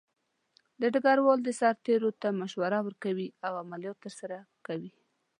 ډګروال د سرتیرو ته مشوره ورکوي او عملیات ترسره کوي.